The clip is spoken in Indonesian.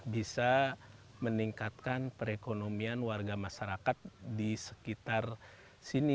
bisa meningkatkan perekonomian warga masyarakat di sekitar sini